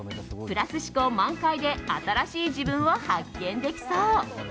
プラス思考満開で新しい自分を発見できそう。